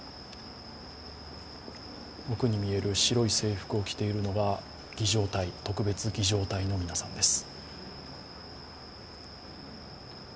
奥に見える白い制服を着ているのが特別儀じょう隊の皆さんです。